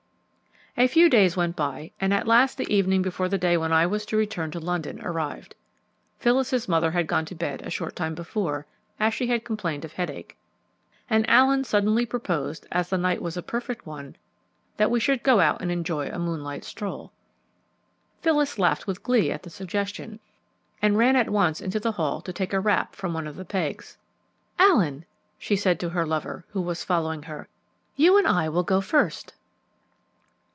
A few days went by, and at last the evening before the day when I was to return to London arrived. Phyllis's mother had gone to bed a short time before, as she had complained of headache, and Allen suddenly proposed, as the night was a perfect one, that we should go out and enjoy a moonlight stroll. Phyllis laughed with glee at the suggestion, and ran at once into the hall to take a wrap from one of the pegs. "Allen," she said to her lover, who was following her, "you and I will go first."